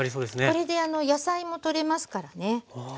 これで野菜もとれますからね。